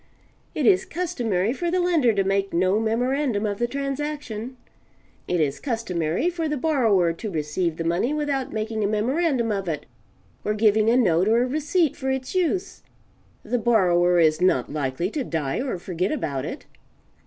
It is customary for the lender to make no memorandum of the transaction. It is customary, for the borrower to receive the money without making a memorandum of it, or giving a note or a receipt for it's use the borrower is not likely to die or forget about it.